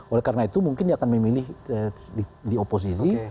oleh karena itu mungkin dia akan memilih di oposisi